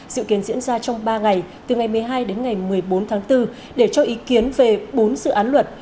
dự kiến diễn ra trong ba ngày từ ngày một mươi hai đến ngày một mươi bốn tháng bốn để cho ý kiến về bốn dự án luật